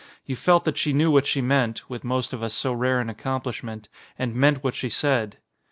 You felt that she knew what she meant (with most of us so rare an accomplishment) and meant what she said.